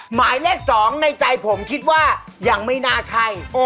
หมายเลข๒ในใจผมคิดว่ายังไม่น่าใช่